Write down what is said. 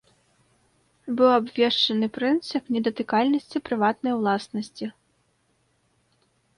Быў абвешчаны прынцып недатыкальнасці прыватнай уласнасці.